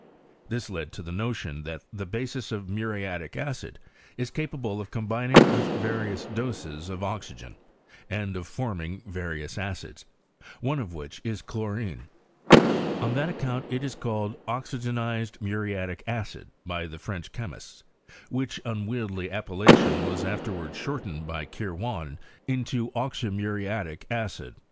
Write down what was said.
This led to the notion that the basb of muriatic acid is capable of com bining with various doses of oxygen, and of form ing rarious acids, one of which is chlorine : on that account it was called oxygenized muriah'c acid by the French chemists, nhich unwieldy appellation was af^rwards shortened by Kirwan into oxymu' fiatic add.